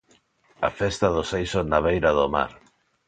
Á festa do Seixo na beira do mar.